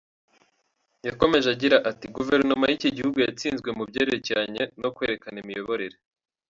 Yakomeje agira ati “ Guverinoma y’iki gihugu yatsinzwe mu byerekeranye no kwerekana imiyoborere.